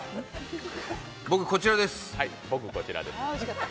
僕、こちらです。